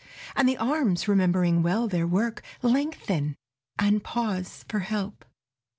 " and the arms, remembering well their work, Lengthen and pause for help.